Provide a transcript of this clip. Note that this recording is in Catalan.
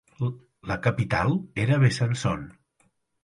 La capital era Besançon.